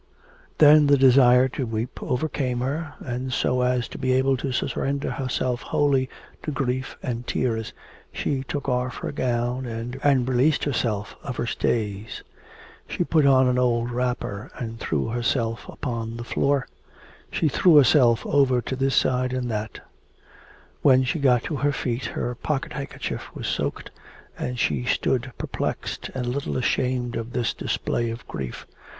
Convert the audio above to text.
Then the desire to weep overcame her, and, so as to be able to surrender herself wholly to grief and tears, she took off her gown and released herself of her stays. She put on an old wrapper and threw herself upon the floor. She threw herself over to this side and that; when she got to her feet her pocket handkerchief was soaked, and she stood perplexed, and a little ashamed of this display of grief.